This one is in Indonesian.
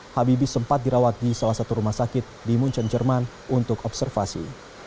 habibie sempat dirawat di salah satu rumah sakit di munchen jerman untuk observasi